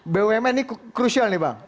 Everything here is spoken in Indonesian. bumn ini krusial nih bang